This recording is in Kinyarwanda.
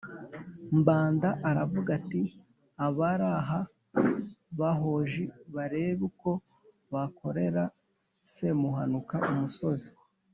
Mbanda “Aravuga ati” Abari aha bahoji barebe uko bakorera Semuhanuka umusozi.”